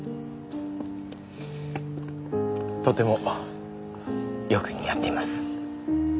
とてもよく似合っています。